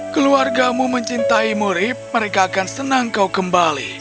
keluarga mu mencintaimu rip mereka akan senang kau kembali